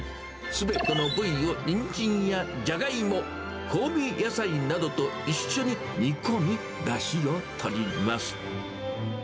すべての部位をニンジンやジャガイモ、香味野菜などと一緒に煮込み、だしを取ります。